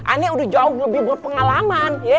aneh udah jauh lebih buat pengalaman